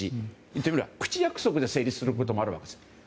言ってみれば口約束で成立することもあるわけです。